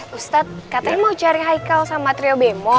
eh ustaz katanya mau cari aikal sama trio bemo